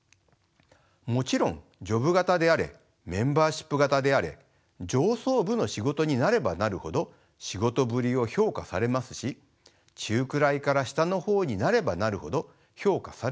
もちろんジョブ型であれメンバーシップ型であれ上層部の仕事になればなるほど仕事ぶりを評価されますし中くらいから下の方になればなるほど評価されなくなります。